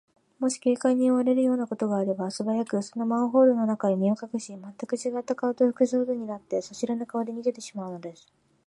もし警官に追われるようなことがあれば、すばやく、そのマンホールの中へ身をかくし、まったくちがった顔と服装とになって、そしらぬ顔で逃げてしまうのです。